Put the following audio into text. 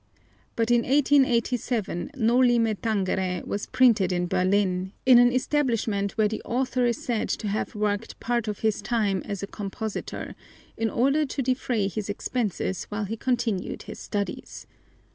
But in 1887 Noli Me Tangere was printed in Berlin, in an establishment where the author is said to have worked part of his time as a compositor in order to defray his expenses while he continued his studies.